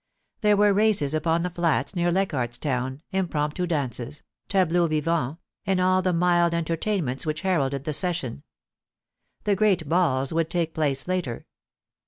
There were races upon the flats near Leichardt's Town, impromptu dances, tableaux vivants, and all the mild enter tainments which heralded the session. The great balls would take place later.